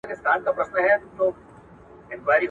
ملکيت بايد د فساد سبب نه سي.